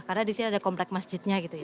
karena disini ada komplek masjidnya gitu ya